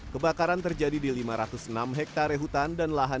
kebakaran terjadi di lima ratus enam hektare hutan dan lahan